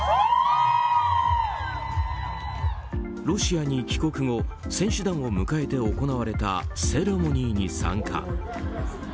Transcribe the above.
ロシアに帰国後、選手団を迎えて行われたセレモニーに参加。